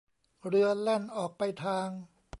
เรือแล่นออกไปทาง